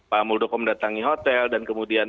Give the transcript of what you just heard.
pak muldoko mendatangi hotel dan kemudian